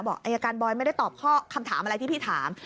อายการบอยไม่ได้ตอบข้อคำถามอะไรที่พี่ถาม